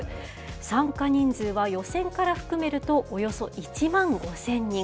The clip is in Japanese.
参加人数は予選から含めるとおよそ１万５０００人。